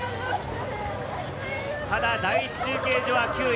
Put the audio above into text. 第１中継所は９位。